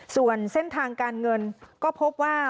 ส่วนเส้นทางการเงินก็พบว่า